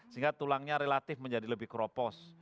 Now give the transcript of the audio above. sehingga tulangnya relatif menjadi lebih keropos